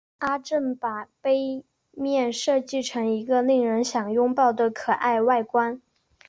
阿正把杯面设计成一个令人想拥抱的可爱外观。